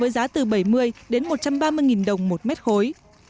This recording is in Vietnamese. với giá từ bảy mươi đến một trăm ba mươi đồng một mét khối